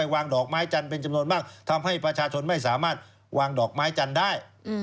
วางดอกไม้จันทร์เป็นจำนวนมากทำให้ประชาชนไม่สามารถวางดอกไม้จันทร์ได้